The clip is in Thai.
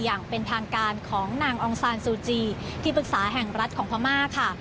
อย่างเป็นทางการของนางองซานซูจีที่ปรึกษาแห่งรัฐของพม่าค่ะ